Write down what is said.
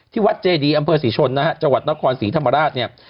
วัดเจดีอำเภอศรีชนนะฮะจังหวัดนครศรีธรรมราชเนี่ย